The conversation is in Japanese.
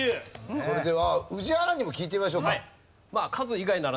それでは宇治原にも聞いてみましょうか。